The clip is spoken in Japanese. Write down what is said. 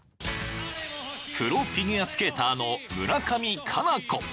［プロフィギュアスケーターの村上佳菜子］